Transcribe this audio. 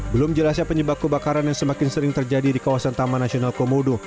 belum jelasnya penyebab kebakaran yang semakin sering terjadi di kawasan taman nasional komodo